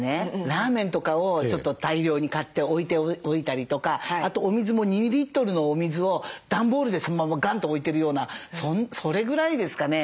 ラーメンとかをちょっと大量に買って置いておいたりとかあとお水も２リットルのお水を段ボールでそのままガンと置いてるようなそれぐらいですかね。